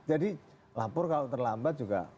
jadi lapor kalau terlambat juga